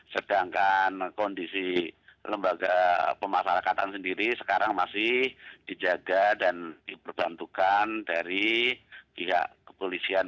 sedangkan kondisi lembaga pemasarakatan sendiri sekarang masih dijaga dan diperbantukan dari pihak kepolisian